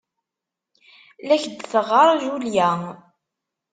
La ak-d-teɣɣar Julia.